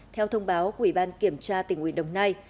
theo thông báo của ủy ban kiểm tra tỉnh ủy đồng nai